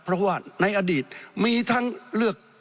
เพราะว่าในอดีตมีทั้งเลือก